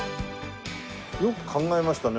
よく考えましたね